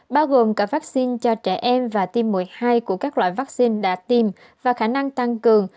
bao gồm cả vaccine cho trẻ em và tiêm mũi hai của các loại vaccine đã tiêm và khả năng tăng cường